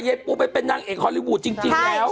ปูไปเป็นนางเอกฮอลลี่วูดจริงแล้ว